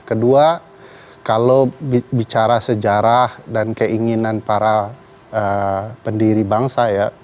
kedua kalau bicara sejarah dan keinginan para pendiri bangsa ya